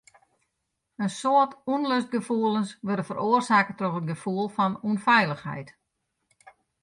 In soad ûnlustgefoelens wurde feroarsake troch it gefoel fan ûnfeilichheid.